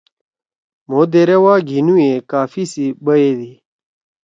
مھو دیرے وا گھیِنُو یے کافی سی بیدی۔